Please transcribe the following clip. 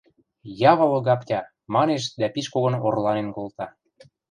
– Явыл Огаптя! – манеш дӓ пиш когон орланен колта.